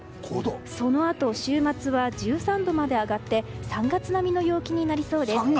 そのあと週末は１３度まで上がって３月並みの陽気になりそうです。